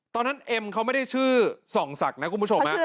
ตอนนั้นเอมเขาไม่ได้ชื่อ๒ศักดิ์นะคุณผู้ชม